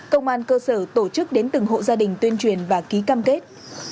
công an cơ sở tổ chức đến từng hộ gia đình tuyên truyền và ký cam kết